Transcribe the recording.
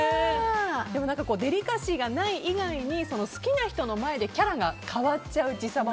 デリカシーがない意外に好きな人の前でキャラが変わっちゃう自サバ